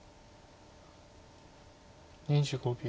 ２５秒。